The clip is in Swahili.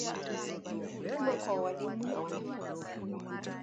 Maktaba hizi hutoa huduma kwa walimu na wanafunzi.